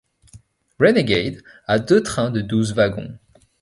Renegade a deux trains de douze wagons.